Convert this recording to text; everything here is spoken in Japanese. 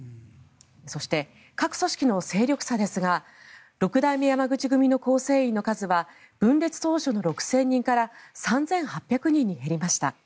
そして、各組織の勢力差ですが六代目山口組の構成員の数は分裂当初の６０００人から３８００人に減りました。